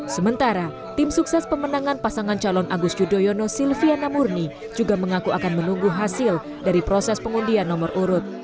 sementara tim sukses pemenangan pasangan calon agus yudhoyono silviana murni juga mengaku akan menunggu hasil dari proses pengundian nomor urut